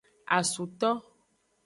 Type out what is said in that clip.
Asuto.